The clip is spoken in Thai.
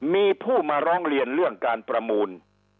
มีผู้มาร้องเรียนเรื่องการประมูล